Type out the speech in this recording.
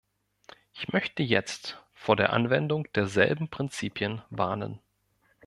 Ich möchte jetzt vor der Anwendung derselben Prinzipien warnen.